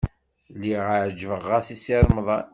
Lliɣ ɛejbeɣ-as i Si Remḍan.